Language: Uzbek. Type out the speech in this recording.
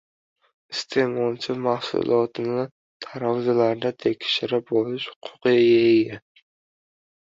Iste’molchi mahsulotini tarozilarida tekshirib olish huquqiga ega